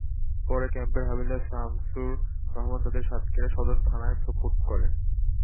পরে ক্যাম্পের হাবিলদার শামছুর রহমান তাঁদের সাতক্ষীরা সদর থানায় সোপর্দ করেন।